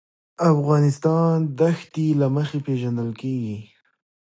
افغانستان د ښتې له مخې پېژندل کېږي.